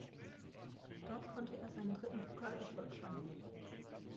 Dort konnte er seinen dritten Pokalerfolg feiern.